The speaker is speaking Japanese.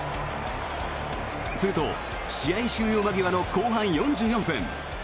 すると、試合終了間際の後半４４分。